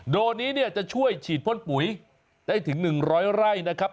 โดยนี้เนี่ยจะช่วยฉีดพ่นปุ๋ยได้ถึง๑๐๐ไร่นะครับ